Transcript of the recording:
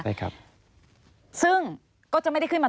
สวัสดีค่ะที่จอมฝันครับ